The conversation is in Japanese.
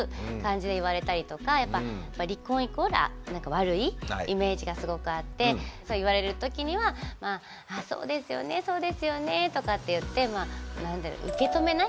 やっぱ離婚イコール悪いイメージがすごくあってそう言われるときには「そうですよねそうですよね」とかって言って受け止めない。